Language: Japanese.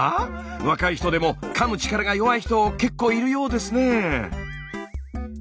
若い人でもかむ力が弱い人結構いるようですね。